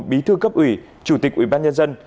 bí thư cấp ủy chủ tịch ủy ban nhân dân